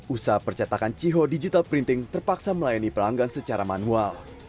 usaha percetakan ciho digital printing terpaksa melayani pelanggan secara manual